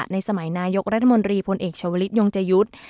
ในสมัยนายกรัฐมนตรีพลเอกชาวลิศยงเจยุทธ์